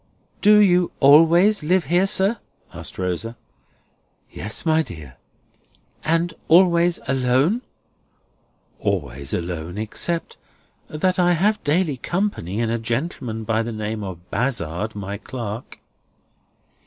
"Do you always live here, sir?" asked Rosa. "Yes, my dear." "And always alone?" "Always alone; except that I have daily company in a gentleman by the name of Bazzard, my clerk."